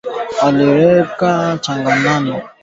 changanya unga wa ngano sukari na hamira